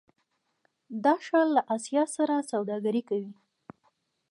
دا ښار له اسیا سره سوداګري کوي.